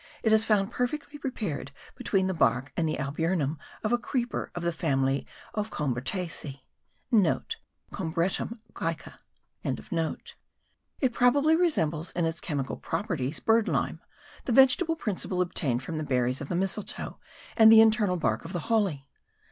It is found perfectly prepared between the bark and the alburnum of a creeper* of the family of the Combretaceae. (* Combretum guayca.) It probably resembles in its chemical properties birdlime, the vegetable principle obtained from the berries of the mistletoe, and the internal bark of the holly.